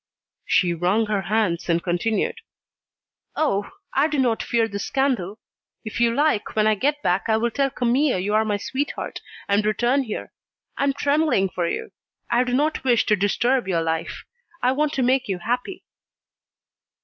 She wrung her hands and continued: "Oh! I do not fear the scandal. If you like, when I get back, I will tell Camille you are my sweetheart, and return here. I am trembling for you. I do not wish to disturb your life. I want to make you happy."